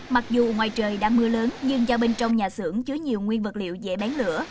mặc dù ngoài trời đang mưa lớn nhưng do bên trong nhà xưởng chứa nhiều nguyên vật liệu dễ bán lửa